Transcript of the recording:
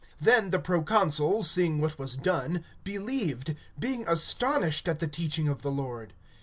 (12)Then the proconsul, seeing what was done, believed, being astonished at the teaching of the Lord.